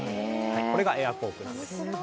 これがエアコークなんです。